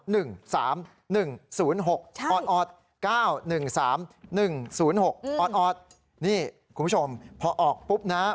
นี่คุณผู้ชมพอออกปุ๊บนะ